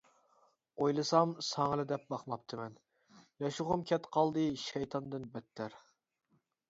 ئويلىسام، ساڭىلا دەپ باقماپتىمەن، ياشىغۇم كەت قالدى شەيتاندىن بەتتەر!